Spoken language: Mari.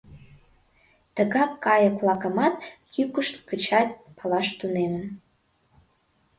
Тыгак кайык-влакымат йӱкышт гычак палаш тунемым.